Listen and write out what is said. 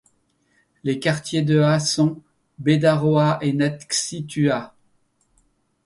Les quartiers d'Ea sont: Bedaroa et Natxitua.